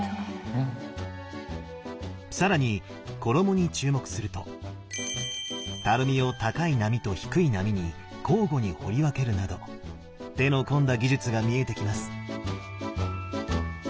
更に衣に注目するとたるみを高い波と低い波に交互に彫り分けるなど手の込んだ技術が見えてきます。